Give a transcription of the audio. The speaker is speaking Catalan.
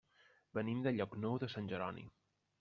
Venim de Llocnou de Sant Jeroni.